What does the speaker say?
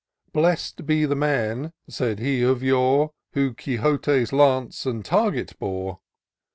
LESS'D be the man, said he of yore, Who Quixote's lance and target bore!